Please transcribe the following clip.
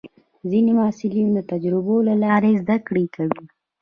ځینې محصلین د تجربو له لارې زده کړه کوي.